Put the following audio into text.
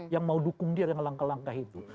yang mau dukung dia dengan langkah langkah itu